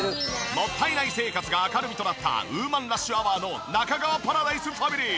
もったいない生活が明るみとなったウーマンラッシュアワーの中川パラダイスファミリー。